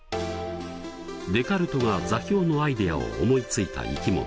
デカルトが座標のアイデアを思いついた生き物。